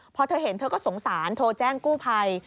พอเธอเห็นเธอก็สงสารโทรแจ้งกู้ภัย